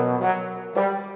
nih bolok ke dalam